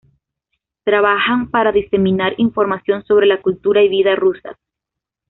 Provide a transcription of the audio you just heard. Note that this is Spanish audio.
Trabajan para diseminar información sobre la cultura y vida rusas.